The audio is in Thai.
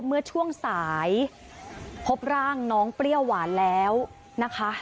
เมื่อช่วงสายพบร่างน้องเปรี้ยวหวานแล้วนะคะ